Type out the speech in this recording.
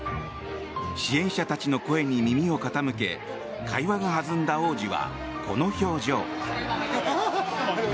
支援者たちの声に耳を傾け会話が弾んだ王子はこの表情。